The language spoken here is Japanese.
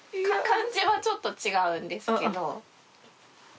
漢字はちょっと違うんですけど。